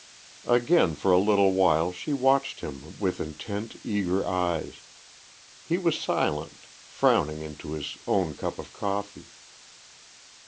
Again for a little while she watched him with intent, eager eyes; he was silent, frowning into his own cup of coffee.